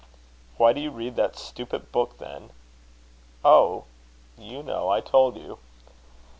"Why do you read that stupid book, then?" "Oh! you know, I told you."